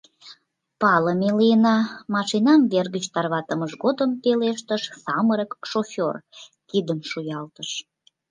— Палыме лийына, — машинам вер гыч тарватымыж годым пелештыш самырык шофёр, кидым шуялтыш.